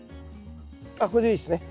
あっこれでいいですね。